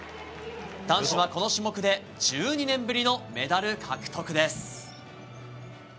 男子はこの種目で１２年ぶりのメダル獲得です。